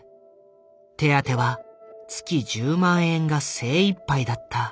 手当は月１０万円が精いっぱいだった。